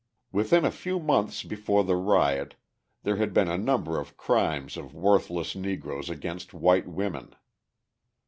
Within a few months before the riot there had been a number of crimes of worthless Negroes against white women.